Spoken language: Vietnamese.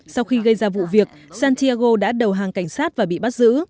sau khi gây ra vụ việc santiago đã đầu hàng cảnh sát và bị bắt giữ